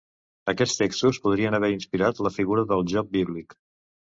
Aquests textos podrien haver inspirat la figura del Job bíblic.